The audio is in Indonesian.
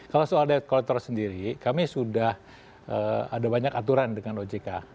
kalau soal debt collector sendiri kami sudah ada banyak aturan dengan ojk